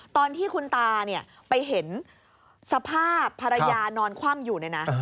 ตอนที่คุณตาไปเห็นสภาพภรรยานอนคว่ำอยู่นะ